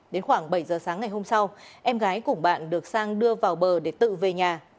đến khoảng bảy giờ sáng ngày hôm sau em gái cùng bạn được sang đưa vào bờ để tự về nhà